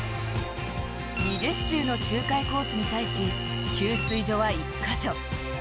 ２０周の周回コースに対し給水所は１カ所。